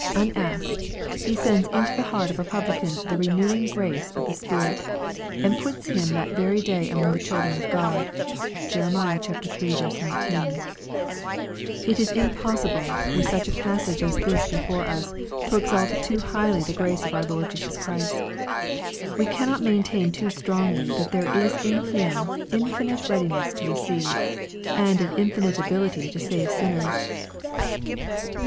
Unasked, He sends into the heart of a publican the renewing grace of the Spirit, and puts him that very day among the childreu of God. (Jerem. iii. 19.) It is impossible, with such a passage as this before us, to exalt too highly the grace of our Lord Jesus Christ. We cannot maintain too strongly that there is in Him an infinite readiness to receive, and an infinite ability to save sinners.